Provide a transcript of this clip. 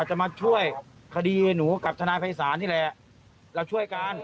ไม่ต้องกังวลอะไรไม่ต้องกังวลอะไรแล้ว